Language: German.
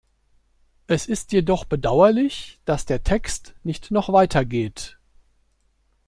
Es ist jedoch bedauerlich, dass der Text nicht noch weiter geht.